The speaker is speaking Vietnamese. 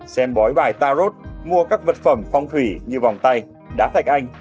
xem bói bài tarot mua các vật phẩm phong thủy như vòng tay đá thạch anh